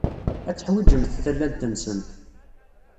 Ad teḥwijemt tallalt-nsent.